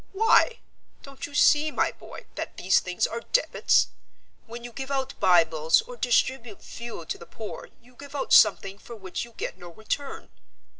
Why? Don't you see, my boy, that these things are debits? When you give out Bibles or distribute fuel to the poor you give out something for which you get no return.